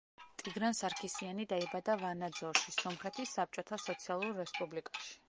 ტიგრან სარქისიანი დაიბადა ვანაძორში, სომხეთის საბჭოთა სოციალურ რესპუბლიკაში.